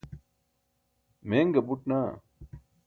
meeṅa buṭ naa